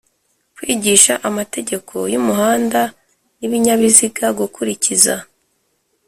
kwigisha amategeko y umuhanda n ibinyabiziga Gukurikiza